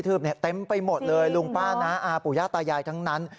ถืกตันไปหมดเลยลุงปลานะอาปุยาตะยายทั้งนั้น